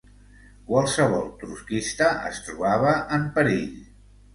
Qualsevol trotskista es trobava en perill